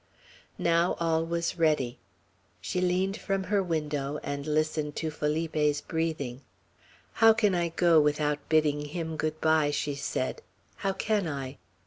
Now all was ready. She leaned from her window, and listened to Felipe's breathing. "How can I go without bidding him good by?" she said. "How can I?"